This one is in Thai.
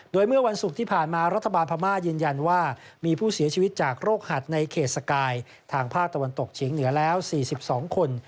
โดยเมื่อวันศุกร์ที่ผ่านมารัฐบาลพม่ายืนยันว่ามีผู้เสียชีวิตจากโรคหัดในเขตสกายทางภาคตะวันตกเฉียงเหนือแล้ว๔๒คน